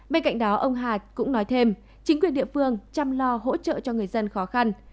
bên cạnh đó ông hạt cũng nói thêm chính quyền địa phương chăm lo hỗ trợ cho người dân khó khăn